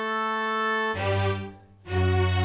ไม่ใช้ครับไม่ใช้ครับ